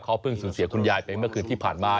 เขาเพิ่งสูญเสียคุณยายไปเมื่อคืนที่ผ่านมา